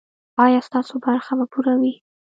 ایا ستاسو برخه به پوره وي؟